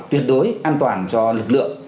tuyệt đối an toàn cho lực lượng